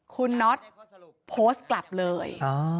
คุณน็อตโพสต์กลับเลย